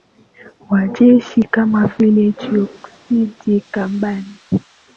wa gesi kama vile dioksidi kaboni